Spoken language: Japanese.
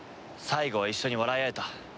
最後は一緒に笑い合えた。